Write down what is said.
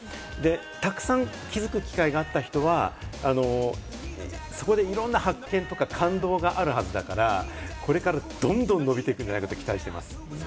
たくさん気付く機会があった人は、そこでいろんな発見とか感動があるはずだから、これからどんどん伸びていくんじゃないかと期待しています。